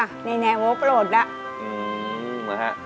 เลี้ยงแม่ดีค่ะในแนวโปรดละ